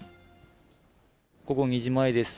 午後２時前です。